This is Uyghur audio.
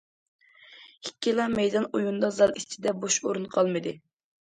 ئىككىلا مەيدان ئويۇندا زال ئىچىدە بوش ئورۇن قالمىدى.